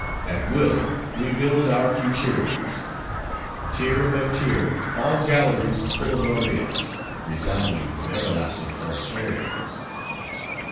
At will, we build our futurities; tier above tier, all galleries full of laureates: resounding with everlasting oratorios!